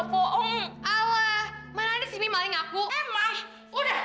please jangan aku nampak